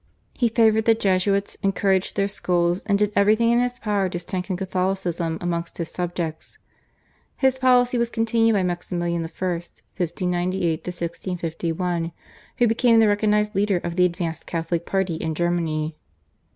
He favoured the Jesuits, encouraged their schools, and did everything in his power to strengthen Catholicism amongst his subjects. His policy was continued by Maximilian I. (1598 1651), who became the recognised leader of the advanced Catholic party in Germany.